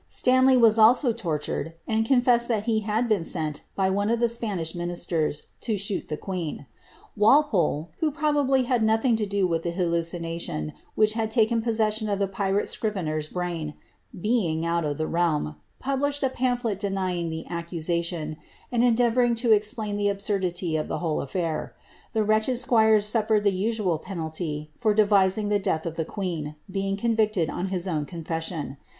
Stanley was also tortured, and confessed that he had been sent by one of the Spanish ministere to shoot the queen. Walpole, who probably had nothing to do with the hallucina tion which had taken possession of the pirate scrivener's brain, being ont of the realm, published a pamphlet denying the accusation, and en deavouring to explain the absimliiy of the whole af&ir.' The wretched Squires suffered the usual penalty for devising the death of the queen, being convicted on his own confession.